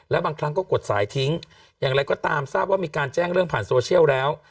แล้วบางครั้งก็กดสายทิ้งอย่างไรก็ตามทราบว่ามีการแจ้งเรื่องผ่านโซเชียลแล้ว